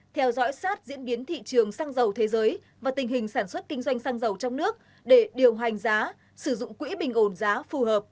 theo dõi sát diễn biến thị trường xăng dầu thế giới và tình hình sản xuất kinh doanh xăng dầu trong nước để điều hành giá sử dụng quỹ bình ồn giá phù hợp kịp thời và hiệu quả